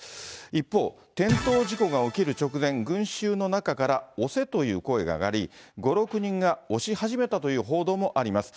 一方、転倒事故が起きる直前、群衆の中から押せという声が上がり、５、６人が押し始めたという報道もあります。